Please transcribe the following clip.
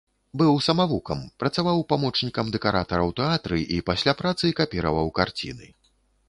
Быў самавукам, працаваў памочнікам дэкаратара ў тэатры і пасля працы капіраваў карціны.